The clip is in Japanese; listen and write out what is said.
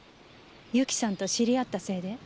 由紀さんと知り合ったせいで？